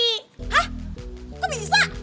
hah kok bisa